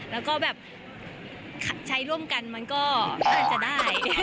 แล้วก็แบบใช้ร่วมกันมันก็อาจจะได้